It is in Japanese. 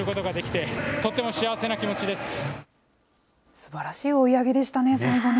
すばらしい追い上げでしたね、最後ね。